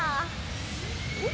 おっ！